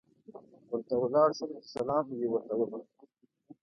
ورته ولاړ شوم چې سلام یې ورته وکړم.